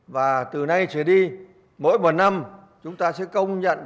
và từ nay trở đi mỗi một năm chúng ta sẽ công nhận tổng số công trình